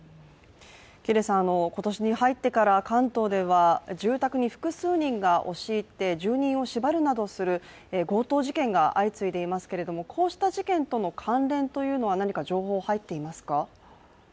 今年に入ってから関東では住宅に複数人が押し入って住人を縛るなどする強盗事件が相次いでいますけれども、こうした事件との関連というのは何か情報、入っていますか。